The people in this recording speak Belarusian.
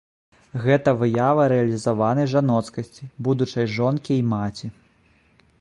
Гэта выява рэалізаванай жаноцкасці, будучай жонкі і маці.